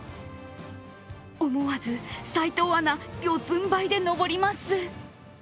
思わず齋藤アナ、四つんばいで登ります。